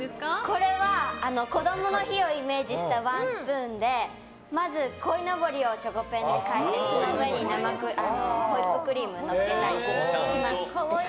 これはこどもの日をイメージしたワンスプーンでまず、こいのぼりをチョコペンで描いてその上にホイップクリームをのっけたりして。